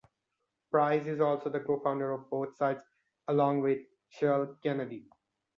Price is also the co-founder of both sites along with Shirl Kennedy.